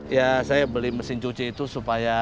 ya saya beli mesin cuci itu supaya